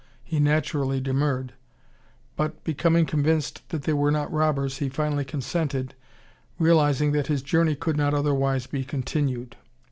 He naturally demurred, but, becoming convinced that they were not robbers, he finally consented, realizing that his journey could not otherwise be continued.